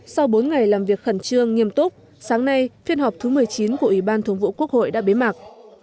sau bốn ngày làm việc khẩn trương nghiêm túc sáng nay phiên họp thứ một mươi chín của ủy ban thường vụ quốc hội đã bế mạc